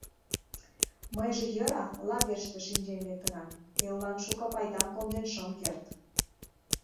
— Мыйже, йӧра, лагерьыште шинчен лектынам, эллан шуко пайдам конден шым керт.